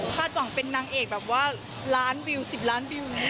หวังเป็นนางเอกแบบว่าล้านวิว๑๐ล้านวิว